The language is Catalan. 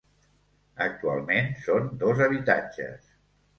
Actualment són dos habitatges.